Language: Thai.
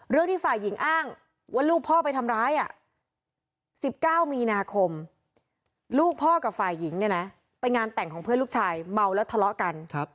ที่ฝ่ายหญิงอ้างว่าลูกพ่อไปทำร้าย๑๙มีนาคมลูกพ่อกับฝ่ายหญิงเนี่ยนะไปงานแต่งของเพื่อนลูกชายเมาแล้วทะเลาะกัน